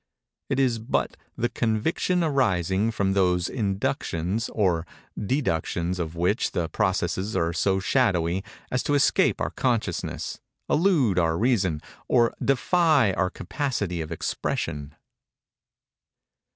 It is but _the conviction arising from those inductions or deductions of which the processes are so shadowy as to escape our consciousness, elude our reason, or defy our capacity of expression_.